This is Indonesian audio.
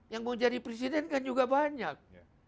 yang mau jadi presiden kan juga banyak